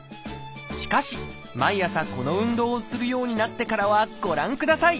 しかし毎朝この運動をするようになってからはご覧ください！